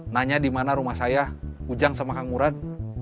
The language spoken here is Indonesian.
nanya dimana rumah saya ujang sama kang murad